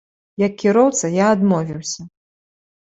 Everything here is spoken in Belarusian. Як кіроўца, я адмовіўся.